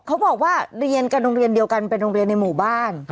เขาบอกว่าเรียนกันโรงเรียนเดียวกันเป็นโรงเรียนในหมู่บ้าน